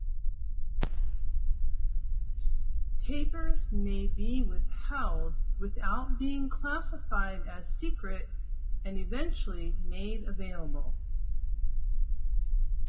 Papers may be withheld without being classified as secret, and eventually made available.